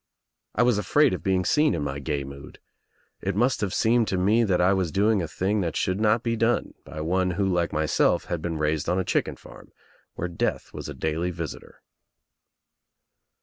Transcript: I was afraid of being seen in my gay mood. It must have seemed to rac that I was doing a thing that should not be done by one who, like myself, had been raised on a chicken farm where death was a daily visitor.